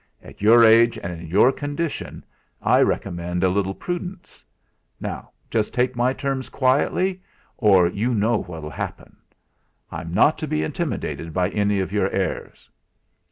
At your age, and in your condition, I recommend a little prudence. Now just take my terms quietly, or you know what'll happen. I'm not to be intimidated by any of your airs."